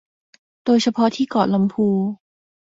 โดยเฉพาะที่เกาะลำพู